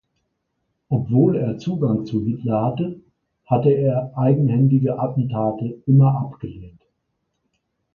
Obwohl er Zugang zu Hitler hatte, hatte er eigenhändige Attentate immer abgelehnt.